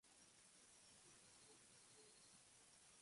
Las ramas densas; con yema terminal no cubierta por brácteas imbricadas.